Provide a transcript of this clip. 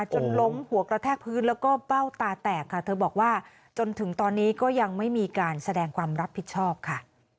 จนล้มหัวกระแทกพื้นแล้วก็เบ้าตาแตกค่ะเธอบอกว่าจนถึงตอนนี้ก็ยังไม่มีการแสดงความรับผิดชอบค่ะ